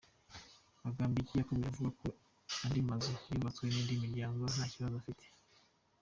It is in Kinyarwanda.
Bagambiki yakomeje avuga ko andi mazu yubatswe n’indi miryango nta kibazo afite.